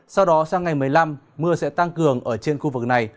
sau đó sang ngày một mươi năm mưa sẽ tăng cường ở trên khu vực này